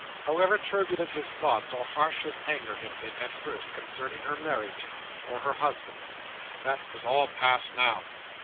However turbulent his thoughts, or harsh his anger had been, at first, concerning her marriage, or her husband, that was all past now.